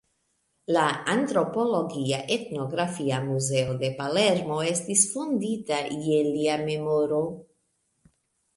La Antropologia Etnografia Muzeo de Palermo estis fondita je lia memoro.